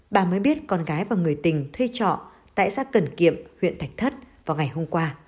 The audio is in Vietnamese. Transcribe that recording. bà mới biết con gái và người tình thuê trọ tại xã cần kiệm huyện thạch thất vào ngày hôm qua